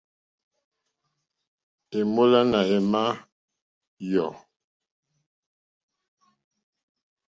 È mólánà émá à yɔ̌.